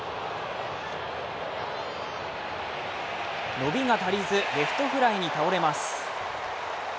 伸びが足りず、レフトフライに倒れます。